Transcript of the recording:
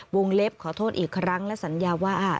วงเล็บขอโทษอีกครั้งและสัญญาว่า